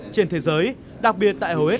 trên thế giới đặc biệt tại hầu hết